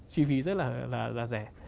chi phí rất là rẻ